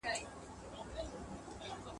بل به څوک وي پر دنیا تر ما ښاغلی ..